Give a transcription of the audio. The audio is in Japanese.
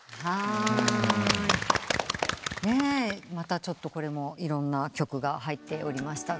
またこれもいろんな曲が入っておりました。